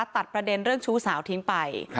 ตัดประเด็นเรื่องชู้สาวทิ้งไป